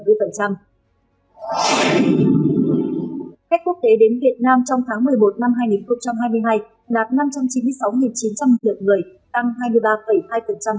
khách quốc tế đến việt nam trong tháng một mươi một năm hai nghìn hai mươi hai đạt năm trăm chín mươi sáu chín trăm linh lượt người tăng hai mươi ba hai so với tháng trước